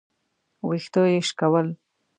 ويښته يې شکول.